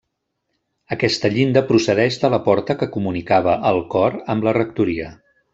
Aquesta llinda procedeix de la porta que comunicava el cor amb la rectoria.